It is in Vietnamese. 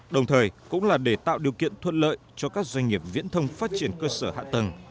đồng thời cũng là để tạo điều kiện thuận lợi cho các doanh nghiệp viễn thông phát triển cơ sở hạ tầng